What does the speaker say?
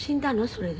それで。